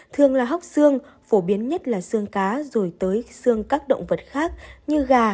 thường là hóc xương phổ biến nhất là xương cá rồi tới xương các động vật khác như gà